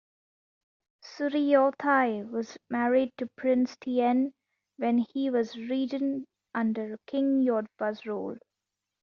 Suriyothai was married to Prince Tien when he was regent under King Yodfa's rule.